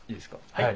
はい。